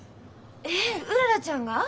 えっうららちゃんが？